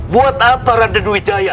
buat apa raden wijaya